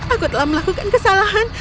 aku telah melakukan kesalahan